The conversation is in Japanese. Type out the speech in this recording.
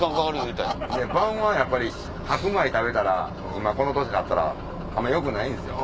晩はやっぱり白米食べたら今この年になったらあんまよくないんですよ。